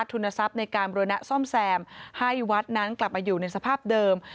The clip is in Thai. ทุนทรัพย์ในการบริณะซ่อมแซมให้วัดนั้นกลับมาอยู่ในสภาพเดิม